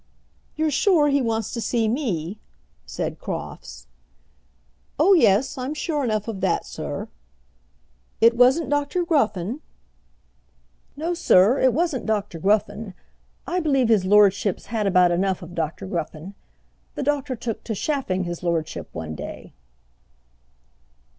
"You're sure he wants to see me?" said Crofts. "Oh, yes; I'm sure enough of that, sir." "It wasn't Dr. Gruffen?" "No, sir; it wasn't Dr. Gruffen. I believe his lordship's had about enough of Dr. Gruffen. The doctor took to chaffing his lordship one day."